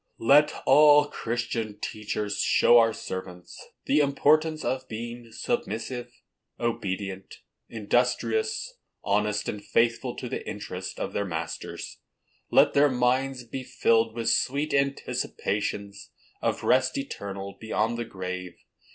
Let all Christian teachers show our servants the importance of being submissive, obedient, industrious, honest and faithful to the interests of their masters. Let their minds be filled with sweet anticipations of rest eternal beyond the grave.